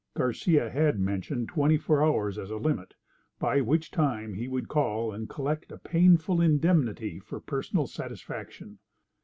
Garcia had mentioned twenty four hours as a limit, by which time he would call and collect a painful indemnity for personal satisfaction.